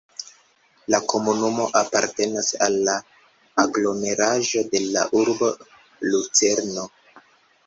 La komunumo apartenas al la aglomeraĵo de la urbo Lucerno.